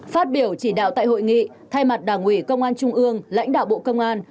phát biểu chỉ đạo tại hội nghị thay mặt đảng ủy công an trung ương lãnh đạo bộ công an